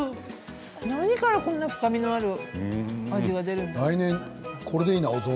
何からこんなに深みのある味が出るんだろう？